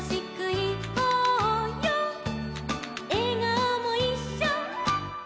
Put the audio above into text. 「えがおもいっしょ」